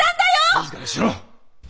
静かにしろ！